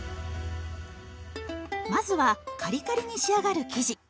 まずはカリカリに仕上がる生地。